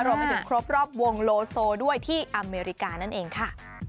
รวมไปถึงครบรอบวงโลโซด้วยที่อเมริกานั่นเองค่ะ